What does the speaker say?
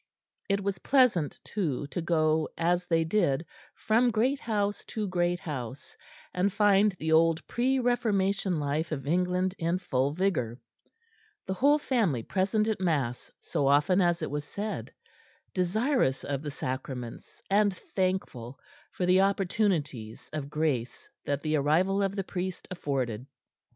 It was pleasant, too, to go, as they did, from great house to great house, and find the old pre Reformation life of England in full vigour; the whole family present at mass so often as it was said, desirous of the sacraments, and thankful for the opportunities of grace that the arrival of the priest afforded.